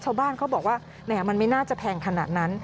ชาวบ้านเขาบอกว่าแหมมันไม่น่าจะแพงขนาดนั้น